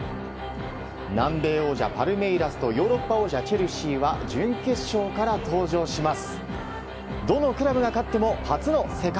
南米王者パルメイラスとヨーロッパ王者チェルシーは準決勝から登場します。